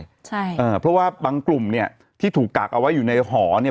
ใช่เอ่อเพราะว่าบางกลุ่มเนี้ยที่ถูกกักเอาไว้อยู่ในหอเนี่ย